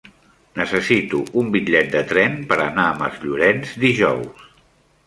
Necessito un bitllet de tren per anar a Masllorenç dijous.